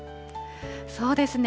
そうですね。